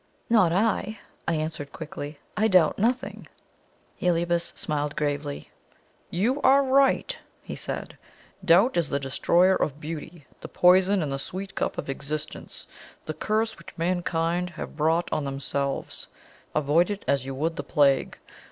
"Not I!" I answered quickly. "I doubt nothing!" Heliobas smiled gravely. "You are right!" he said. "Doubt is the destroyer of beauty the poison in the sweet cup of existence the curse which mankind have brought on themselves. Avoid it as you would the plague.